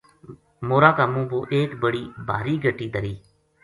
مور ا کا منہ پو ایک بڑی بھاری گَٹی دھری